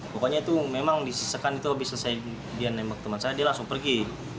pokoknya itu memang disisekan itu habis selesai dia nembak teman saya dia langsung pergi